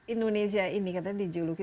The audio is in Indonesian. indonesia ini katanya dijuluki